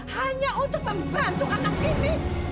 hanya untuk membantu anak ini